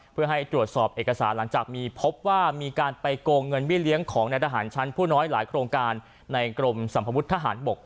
เพื่อให้ตรวจสอบเอกสารหลังจากมีพบว่ามีการไปโกงเงินเบี้เลี้ยงของในทหารชั้นผู้น้อยหลายโครงการในกรมสัมภวุฒิทหารบก